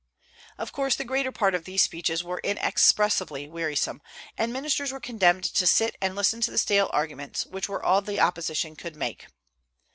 Of course the greater part of these speeches were inexpressibly wearisome, and ministers were condemned to sit and listen to the stale arguments, which were all that the opposition could make.